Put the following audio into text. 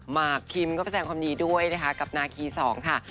มากคิมก็แสดงความดีด้วยนะคะกับนาคีสองค่ะ